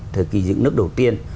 thời kỳ dựng nước đầu tiên